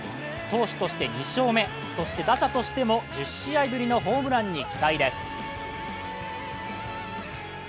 投手として２勝目、そして打者としても１０試合ぶりのホームランに期待です。